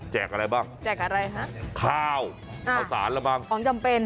อะไรบ้างแจกอะไรฮะข้าวข้าวสารแล้วบ้างของจำเป็น